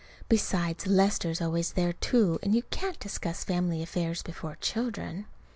Besides, Lester's always there, too; and you can't discuss family affairs before children.